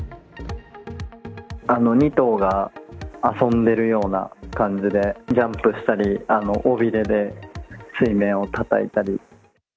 ２頭が遊んでるような感じで、ジャンプしたり、尾びれで水面をたたいたり。